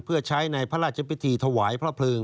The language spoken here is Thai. เพื่อใช้ในพระราชพิธีถวายพระเพลิง